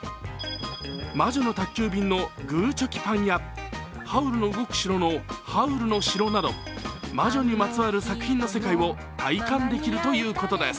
「魔女の宅急便」のグーチョキパン屋、「ハウルの動く城」のハウルの城など魔女にまつわる作品の世界を体感できるということです。